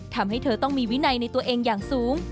ทำให้เธอต้องมีวินัยในตัวเองอย่างสูง